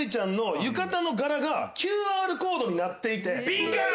ビンカン！